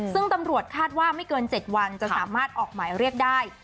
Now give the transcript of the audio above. ซึ่งตำรวจคาดว่าไม่เกิน๗วันจะสามารถออกหมายเรียกได้